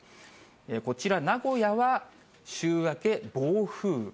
こちら、名古屋は週明け、暴風雨。